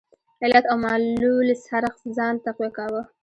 علت او معلول څرخ ځان تقویه کاوه.